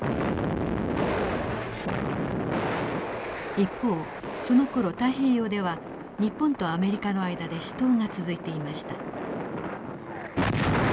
一方そのころ太平洋では日本とアメリカの間で死闘が続いていました。